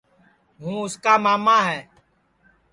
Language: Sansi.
ہوں اُس کا ماما ہے